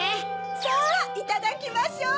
さぁいただきましょう！